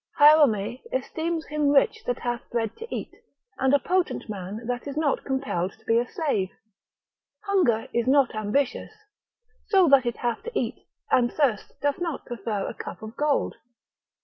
S. Hierome esteems him rich that hath bread to eat, and a potent man that is not compelled to be a slave; hunger is not ambitious, so that it have to eat, and thirst doth not prefer a cup of gold.